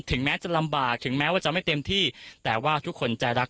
แม้จะลำบากถึงแม้ว่าจะไม่เต็มที่แต่ว่าทุกคนจะรัก